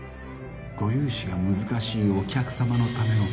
ご融資が難しいお客様のための